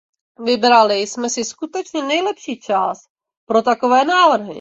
Vybrali jsme si skutečně nejlepší čas pro takové návrhy!